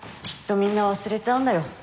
きっとみんな忘れちゃうんだよ。